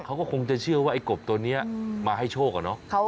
เขาก็คงจะเชื่อว่าไอ้กบตัวนี้มาให้โชคอะเนาะ